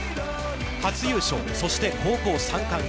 初優勝、そして高校三冠へ。